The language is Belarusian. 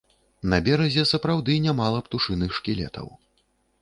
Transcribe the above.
На беразе сапраўды нямала птушыных шкілетаў.